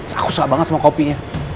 aku sengaja sama kopinya